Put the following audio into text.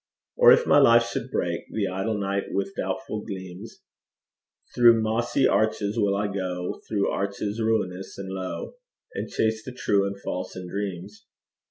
Or if my life should break The idle night with doubtful gleams Through mossy arches will I go, Through arches ruinous and low, And chase the true and false in dreams.